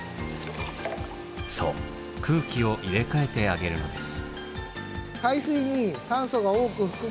そう空気を入れ替えてあげるのです。